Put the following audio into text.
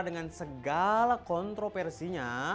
dengan segala kontroversinya